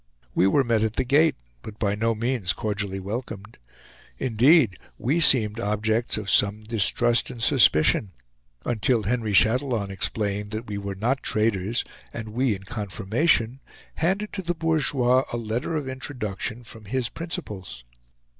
We were met at the gate, but by no means cordially welcomed. Indeed, we seemed objects of some distrust and suspicion until Henry Chatillon explained that we were not traders, and we, in confirmation, handed to the bourgeois a letter of introduction from his principals.